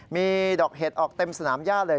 มีดอกเห็ดออกเต็มสนามย่าเลย